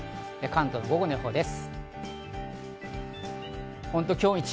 関東の午後の予報です。